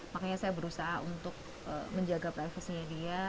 makanya saya berusaha untuk menjaga privasinya dia